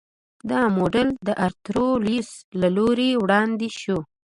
دا موډل د آرتر لویس له لوري وړاندې شو.